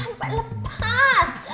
jangan sampai lepas